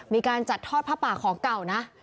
มีการจัดทอดผ้าป่าของเก่านะ